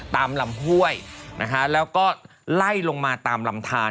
ตามลำห้วยนะคะแล้วก็ไล่ลงมาตามลำทาน